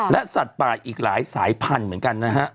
และสัตว์ป่าอีกหลายสายพันธุ์เหมือนกันนะฮะ